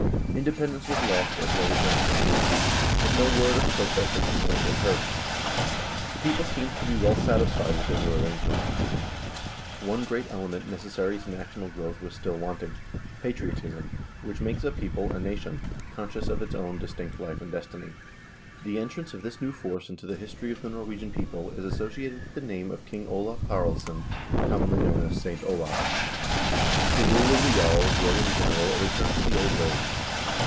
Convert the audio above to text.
Independence was lost as well as national unity, but no word of protest or complaint was heard. The people seemed to be well satisfied with the new arrangement. One great element necessary to national growth was still wanting — patriotism, which makes a people a nation, conscious of its own dis tinct life and destiny. The entrance of this new force into the his tory of the Norwegian people is associated with the name of King Olav Haraldsson, commonly known as Saint Olav. The rule of the jarls was, in general, a return to the old ways.